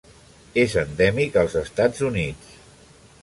És endèmic als Estats Units.